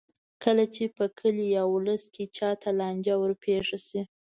کله چې په کلي یا ولس کې چا ته لانجه ورپېښه شي.